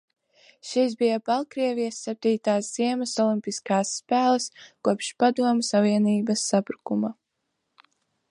Šīs bija Baltkrievijas septītās ziemas olimpiskās spēles kopš Padomju Savienības sabrukuma.